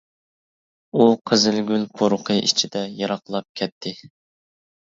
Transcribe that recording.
ئۇ قىزىلگۈل پۇرىقى ئىچىدە يىراقلاپ كەتتى.